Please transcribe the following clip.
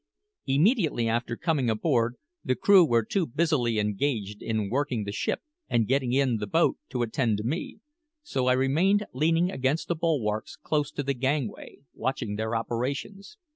Immediately after coming aboard, the crew were too busily engaged in working the ship and getting in the boat to attend to me; so I remained leaning against the bulwarks close to the gangway, watching their operations.